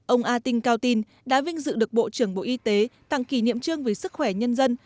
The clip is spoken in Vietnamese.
ông a tinh cao tinh đã vinh dự được bộ trưởng bộ y tế tặng kỷ niệm trương vì sức khỏe nhân dân